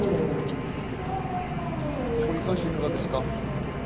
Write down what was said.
ここに関していかがですか？